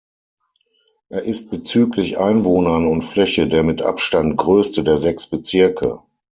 Er ist bezüglich Einwohnern und Fläche der mit Abstand grösste der sechs Bezirke.